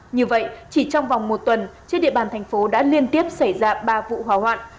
như vậy chỉ trong vòng một tuần trên địa bàn thành phố đã liên tiếp xảy ra ba vụ hỏa hoạn